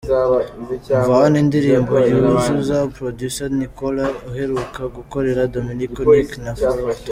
Umva hano indirimbo ’Nyuzuza’ Producer Nicholas aheruka gukorera Dominic Nic na Fortrand :.